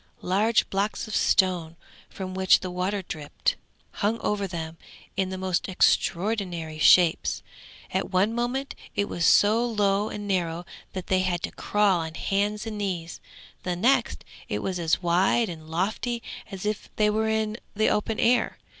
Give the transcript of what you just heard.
Large blocks of stone, from which the water dripped, hung over them in the most extraordinary shapes; at one moment it was so low and narrow that they had to crawl on hands and knees, the next it was as wide and lofty as if they were in the open air.